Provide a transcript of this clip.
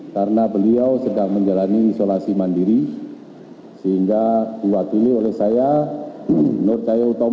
karena beliau sedang menjalani isolasi masyarakat